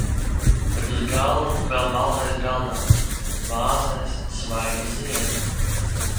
Bet uz galda vēl baltais galdauts, vāzēs svaigi ziedi.